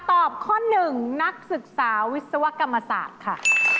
ตอบข้อหนึ่งนักศึกษาวิศวกรรมศาสตร์ค่ะ